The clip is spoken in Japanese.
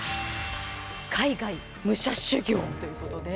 海外武者修行ということで。